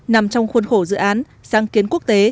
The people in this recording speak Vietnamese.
nằm trong khuôn khổ dự án sáng kiến quốc tế